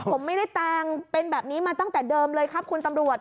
ผมไม่ได้แต่งเป็นแบบนี้มาตั้งแต่เดิมเลยครับคุณตำรวจ